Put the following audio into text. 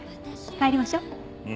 帰りましょう。